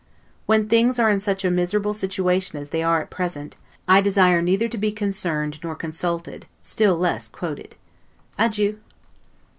When things are in such a miserable situation as they are at present, I desire neither to be concerned nor consulted, still less quoted. Adieu!